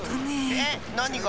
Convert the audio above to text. えっなにが？